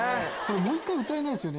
もう１回歌えないっすよね？